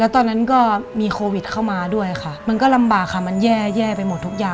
ตอนที่หนูคลอดลูกอ่ะหนูต้องชำลองเงินจ่ายไปก่อน๑๕๐๐บาทค่ะ